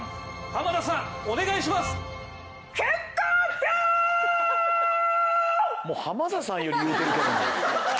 さあ実際浜田さんより言うてるけどな。